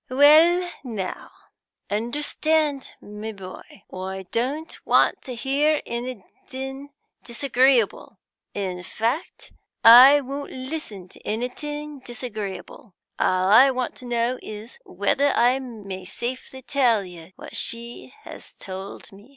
"Well now, understand, my boy. I don't want to hear anything disagreeable; in fact, I won't listen to anything disagreeable; all I want to know is, whether I may safely tell you what she has told me.